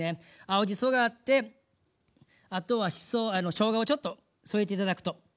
青じそがあってあとはしょうがをちょっと添えて頂くと。